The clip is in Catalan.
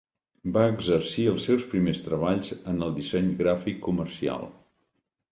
Va exercir els seus primers treballs en el disseny gràfic comercial.